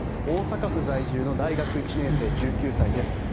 大阪府在住の大学１年生１９歳です。